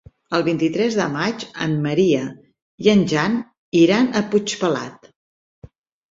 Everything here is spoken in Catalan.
El vint-i-tres de maig en Maria i en Jan iran a Puigpelat.